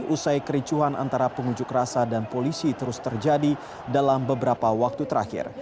usai kericuhan antara pengunjuk rasa dan polisi terus terjadi dalam beberapa waktu terakhir